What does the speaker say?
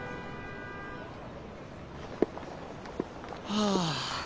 はあ。